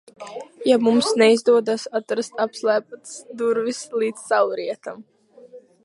Ja mums neizdodas atrast apslēptās durvis līdz saulrietam?